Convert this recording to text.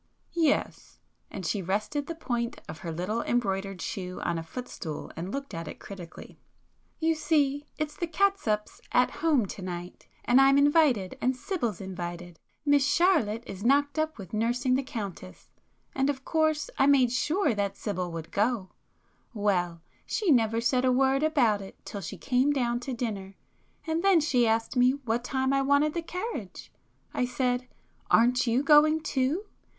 "Yes,"—and she rested the point of her little embroidered shoe on a footstool and looked at it critically—"You see it's the Catsup's 'At Home' to night, and I'm invited and Sibyl's invited; Miss Charlotte is knocked up with nursing the Countess, and of course I made sure that Sibyl would [p 194] go. Well, she never said a word about it till she came down to dinner, and then she asked me what time I wanted the carriage. I said 'Aren't you going too?